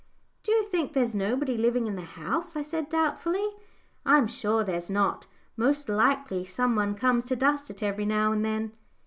"Do you think there's nobody living in the house?" I said, doubtfully. "I'm sure there's not. Most likely some one comes to dust it every now and then."